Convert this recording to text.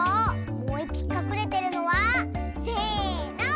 もういっぴきかくれてるのはせの！